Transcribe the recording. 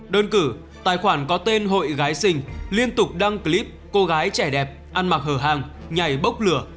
đơn cử tài khoản có tên hội gái sinh liên tục đăng clip cô gái trẻ đẹp ăn mặc hở hàng nhảy bốc lửa